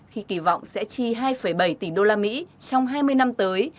khi kỳ vọng sẽ chi hai bảy tỷ đô la mỹ trong hai mươi năm tới